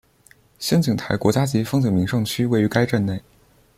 仙景台国家级风景名胜区位于该镇内。